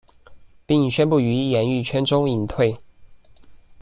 并宣布于演艺圈中隐退。